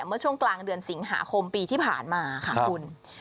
เมื่อช่วงกลางเดือนสิงหาคมปีที่ผ่านมาค่ะคุณ